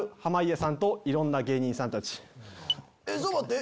えちょっと待って！